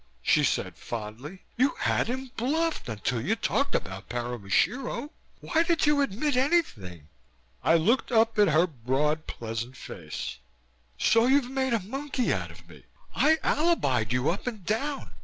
she said fondly. "You had him bluffed until you talked about Paramushiro. Why did you admit anything?" I looked up at her broad, pleasant face. "So you've made a monkey out of me. I alibied you up and down.